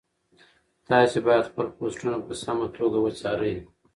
تاسي باید خپل پوسټونه په سمه توګه وڅارئ.